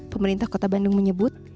pemerintah kota bandung menyebut